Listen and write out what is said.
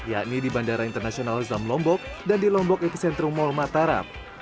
yakni di bandara internasional zam lombok dan di lombok epicentrum mall mataram